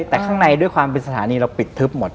แต่ข้างในด้วยความเป็นสถานีเราปิดทึบหมด